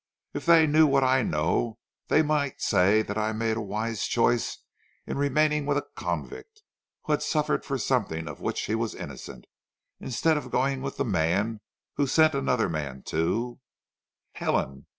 "If they knew what I know they might say that I had made a wise choice in remaining with a convict who had suffered for something of which he was innocent, instead of going with the man who sent another man to " "Helen!